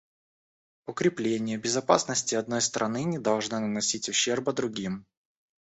Укрепление безопасности одной страны не должно наносить ущерба другим.